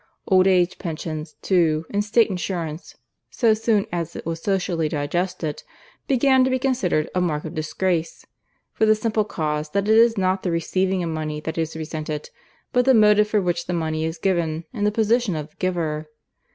Old Age Pensions, too, and State Insurance (so soon as it was socially digested), began to be considered a mark of disgrace for the simple cause that it is not the receiving of money that is resented, but the motive for which the money is given and the position of the giver.